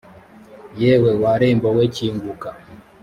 yewe wa rembo we kinguka